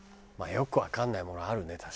まあよくわかんないものあるね